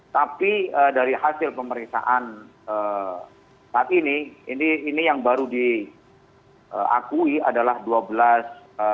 tapi dari hasil pemeriksaan saat ini ini yang baru diakui adalah dua belas orang